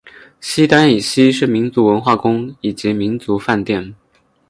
西单以西是民族文化宫以及民族饭店。